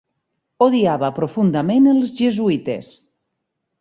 Odiava profundament els jesuïtes.